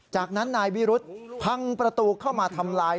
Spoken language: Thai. จากนั้นนายวิรุธพังประตูเข้ามาทำลาย